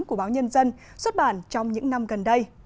của báo nhân dân xuất bản trong những năm gần đây